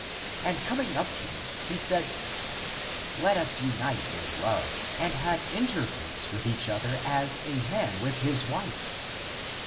And coming up to me he said, * Let us unite in love and have intercourse with each other as a man with his wife.'